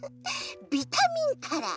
ビタミンカラー！